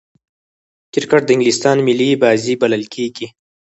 کرکټ د انګلستان ملي بازي بلل کیږي.